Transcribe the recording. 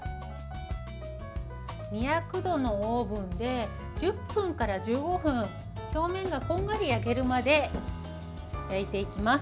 ２００度のオーブンで１０分から１５分表面がこんがり焼けるまで焼いていきます。